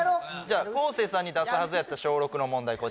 じゃあ昴生さんに出すはずやった小６の問題